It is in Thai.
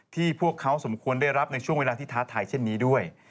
พวกเขาสมควรได้รับในช่วงเวลาที่ท้าทายเช่นนี้ด้วย